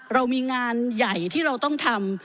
เรามีงานใหญ่ที่เราต้องทำ